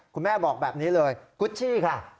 คุณแม่บอกแบบนี้เลยกุชชี่ค่ะ